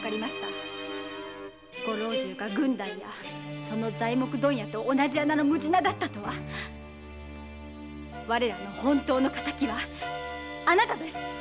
ご老中が郡代や材木問屋と同じ穴のムジナだったとは我らの本当の仇はあなたです‼